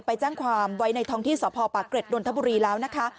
ไปแจ้งความไว้ในท้องที่สพปากเกร็ดนนทบุรีแล้วนะคะ